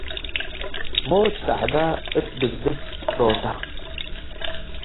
ሞት ጸዕደ እት ድግድግ ሮተ